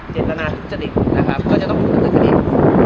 เจนตนาถึงเจดิตนะครับก็จะต้องถูกต้นเจดิต